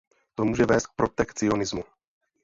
To může vést k protekcionismu.